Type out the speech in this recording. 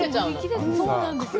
そうなんですよ。